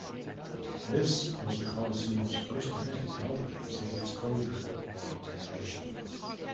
This was the coliseum's first event held there since its closure for renovations.